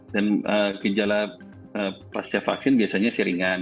dan gejala pasca vaksin biasanya seringan